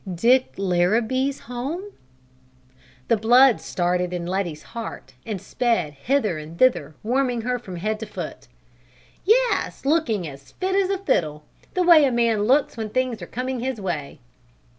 "Dick Larrabee home?" The blood started in Letty's heart and sped hither and thither, warming her from head to foot. "Yes, looking as fit as a fiddle; the way a man looks when things are coming his way."